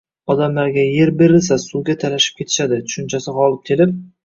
— «odamlarga yer berilsa suvga talashib ketishadi», tushunchasi g‘olib kelib